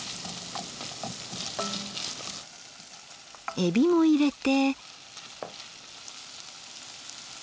えびも入れて。